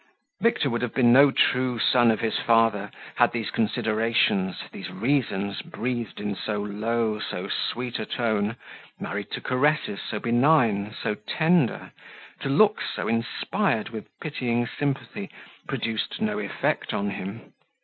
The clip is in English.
Victor would have been no true son of his father, had these considerations, these reasons, breathed in so low, so sweet a tone married to caresses so benign, so tender to looks so inspired with pitying sympathy produced no effect on him.